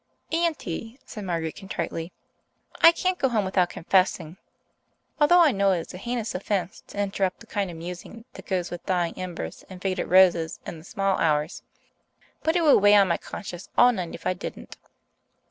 "Auntie," said Margaret contritely, "I can't go home without confessing, although I know it is a heinous offence to interrupt the kind of musing that goes with dying embers and faded roses in the small hours. But it would weigh on my conscience all night if I didn't.